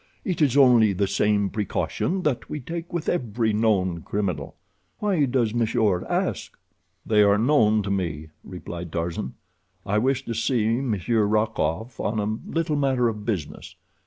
It is only the same precaution that we take with every known criminal. Why does monsieur ask?" "They are known to me," replied Tarzan. "I wish to see Monsieur Rokoff on a little matter of business.